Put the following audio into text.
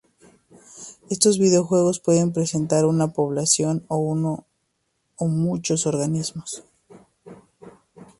Estos videojuegos pueden presentar una población o uno o muchos organismos.